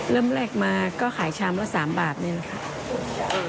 เริ่มแรกมาก็ขายชามละ๓บาทนี่แหละค่ะ